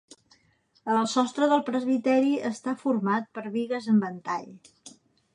El sostre del presbiteri està format per bigues en ventall.